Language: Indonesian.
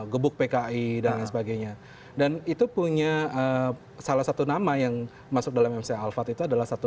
gebuk pki dan lain sebagainya dan itu punya salah satu nama yang masuk dalam mca alfat itu adalah satu